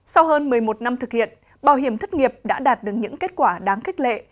sau hơn một mươi một năm thực hiện bảo hiểm thất nghiệp đã đạt được những kết quả đáng khích lệ